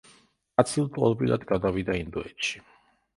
კაცი ლტოლვილად გადავიდა ინდოეთში.